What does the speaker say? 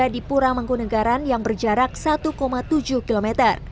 di pura mangkunagaran yang berjarak satu tujuh km